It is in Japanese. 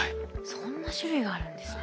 そんな種類があるんですね。